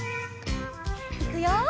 いくよ。